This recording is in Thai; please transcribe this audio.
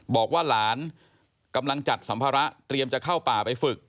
บอกว่าหลานกำลังจัดสัมภาระเตรียมจะเข้าป่าไปฝึก